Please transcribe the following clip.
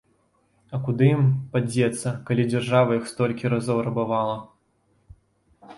А куды ім падзецца, калі дзяржава іх столькі разоў рабавала!